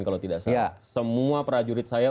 kalau tidak salah semua prajurit saya